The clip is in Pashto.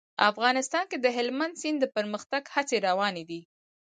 افغانستان کې د هلمند سیند د پرمختګ هڅې روانې دي.